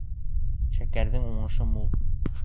Шәкәрҙең уңышы мул